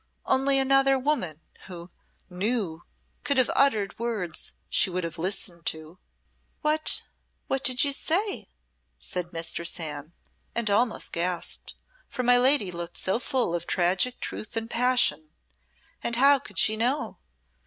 Only another woman who knew could have uttered words she would have listened to." "What what did you say?" said Mistress Anne and almost gasped, for my lady looked so full of tragic truth and passion, and how could she know?